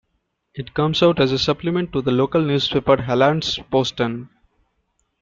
It comes out as a supplement to the local newspaper Hallandsposten.